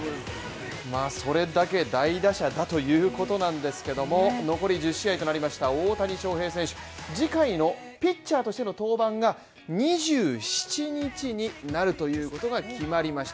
それだけ大打者だということなんですけども、残り１０試合となりました大谷翔平選手、次回のピッチャーとしての登板が２７日になるということが決まりました